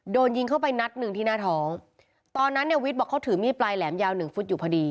โดนยิงเข้าไปนัดหนึ่งที่หน้าท้องตอนนั้นเนี่ยวิทย์บอกเขาถือมีดปลายแหลมยาวหนึ่งฟุตอยู่พอดี